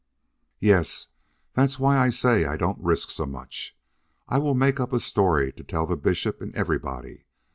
"Yes. That's why I say I don't risk so much. I will make up a story to tell the bishop and everybody.